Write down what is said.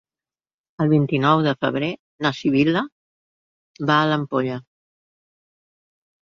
El vint-i-nou de febrer na Sibil·la va a l'Ampolla.